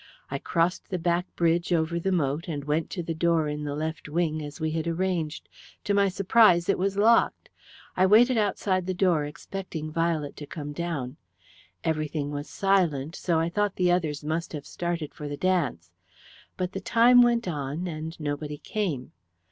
I crossed the back bridge over the moat and went to the door in the left wing, as we had arranged. To my surprise it was locked. "I waited outside the door expecting Violet to come down. Everything was silent, so I thought the others must have started for the dance. But the time went on, and nobody came.